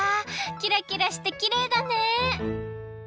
キラキラしてきれいだね！